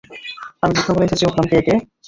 আমি তীক্ষ্ণ গলায় চেঁচিয়ে উঠলাম, কে, কে?